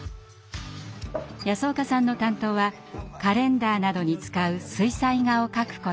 安岡さんの担当はカレンダーなどに使う水彩画を描くこと。